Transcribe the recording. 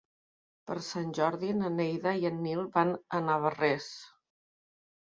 Per Sant Jordi na Neida i en Nil van a Navarrés.